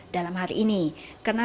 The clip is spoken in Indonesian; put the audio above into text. dalam hari ini karena